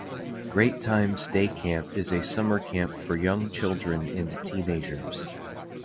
Great Times Day Camp is a summer camp for young children and teenagers.